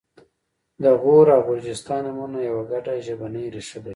د غور او غرجستان نومونه یوه ګډه ژبنۍ ریښه لري